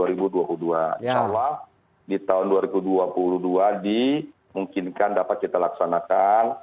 insya allah di tahun dua ribu dua puluh dua dimungkinkan dapat kita laksanakan